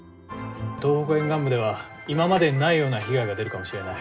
東北沿岸部では今までにないような被害が出るかもしれない。